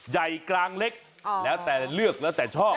ใหญ่กลางเล็กแล้วแต่เลือกแล้วแต่ชอบ